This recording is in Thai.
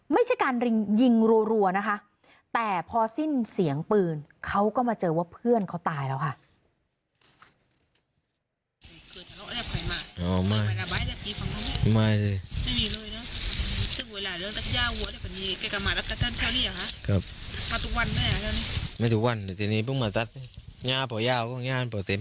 ไม่ใช่การยิงรัวนะคะแต่พอสิ้นเสียงปืนเขาก็มาเจอว่าเพื่อนเขาตายแล้วค่ะ